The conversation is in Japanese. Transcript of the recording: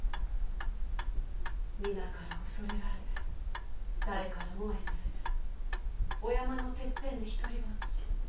・皆から恐れられ誰からも愛されずお山のてっぺんで独りぼっち。